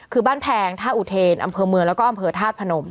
คือบ้านแพงธาตุอุเทนอำเภอเมืองแล้วก็อำเภอธาตุพนม